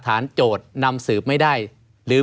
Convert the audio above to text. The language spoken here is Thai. ไม่มีครับไม่มีครับ